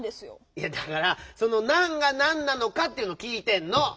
いやだからその「なん」がなんなのかっていうのきいてんの！